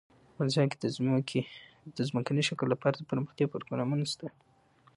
افغانستان کې د ځمکنی شکل لپاره دپرمختیا پروګرامونه شته.